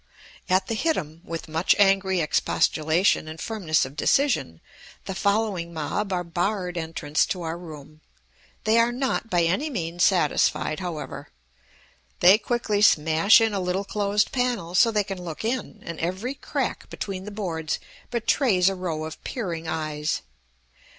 At the hittim, with much angry expostulation and firmness of decision, the following mob are barred entrance to our room. They are not, by any means satisfied, however; they quickly smash in a little closed panel so they can look in, and every crack between the boards betrays a row of peering eyes.